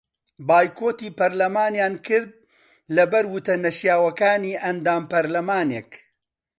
بایکۆتی پەرلەمانیان کرد لەبەر وتە نەشیاوەکانی ئەندام پەرلەمانێک